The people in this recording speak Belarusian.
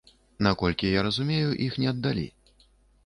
Наколькі я разумею, іх не аддалі.